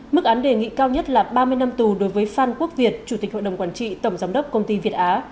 mức án đề nghị cao nhất là ba mươi năm tù đối với phan quốc việt chủ tịch hội đồng quản trị tổng giám đốc công ty việt á